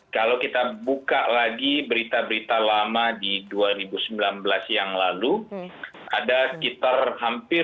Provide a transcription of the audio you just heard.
kalau kita buka lagi berita berita lama di dua ribu sembilan belas yang lalu ada sekitar hampir lima ratus orang pegawai kpk menolak firli bahuri sebagai pimpinan